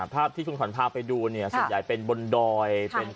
ภาพที่คุณผ่านภาพไปดูส่วนใหญ่เป็นบนดอยเป็นสวนนะคะ